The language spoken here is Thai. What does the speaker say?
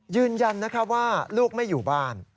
ยืนยันว่าลูกไม่อยู่บ้าน